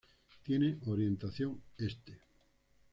Tiene orientación este.